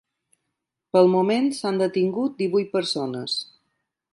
Pel moment s’han detingut divuit persones.